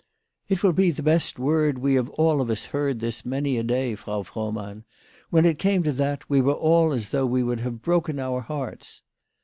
" It will be the best word we have all of us heard this many a day, Frau Frohmann. When it came to that, we were all as though we would have broken our hearts."